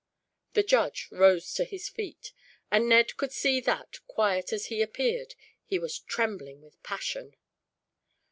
The judge rose to his feet, and Ned could see that, quiet as he appeared, he was trembling with passion.